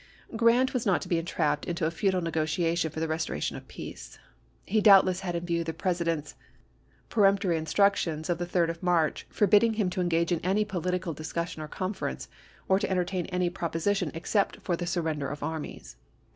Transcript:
Grant was not to be entrapped into a futile negc tiation for the restoration of peace. He doubtless had in view the President's peremptory instructions GENERAL FRANCIS C. BARLOW. APPOMATTOX 193 of the 3d of March, forbidding him to engage in any political discussion or conference, or to entertain any proposition except for the surrender of armies.